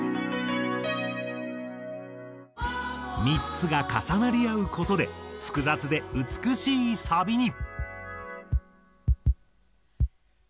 ３つが重なり合う事で複雑で美しいサビに。